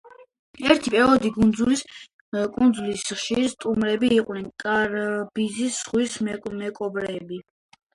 ერთი პერიოდი კუნძულის ხშირი სტუმრები იყვნენ კარიბის ზღვის მეკობრეები.